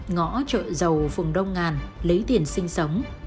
ngõ chợ giàu phùng đông ngàn lấy tiền sinh sống